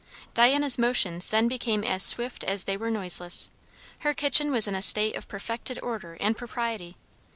Diana's motions then became as swift as they were noiseless. Her kitchen was in a state of perfected order and propriety.